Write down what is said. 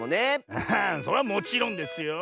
アハそれはもちろんですよ。